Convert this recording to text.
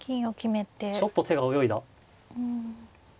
ちょっと手が泳いだ。